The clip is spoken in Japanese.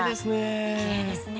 きれいですね。